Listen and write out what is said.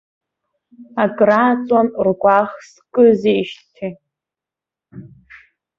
Акрааҵуан ргәаӷ скызижьҭеи.